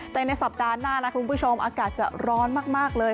แต่ในสัปดาห์หน้านะคุณผู้ชมอากาศจะร้อนมากเลย